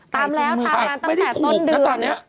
ตามแล้วตามมาตั้งแต่ต้นเดือน